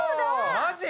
マジ？